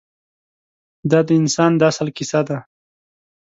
دا د انسان د اصل کیسه ده.